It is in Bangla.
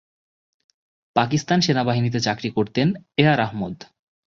পাকিস্তান সেনাবাহিনীতে চাকরি করতেন এয়ার আহমদ।